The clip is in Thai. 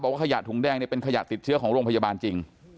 ขยะถุงแดงเนี่ยเป็นขยะติดเชื้อของโรงพยาบาลจริง